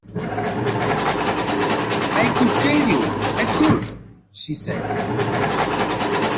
“I could kill you, I could!” she said.